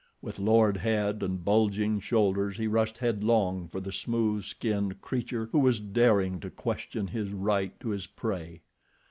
With lowered head and bulging shoulders he rushed headlong for the smooth skinned creature who was daring to question his right to his prey.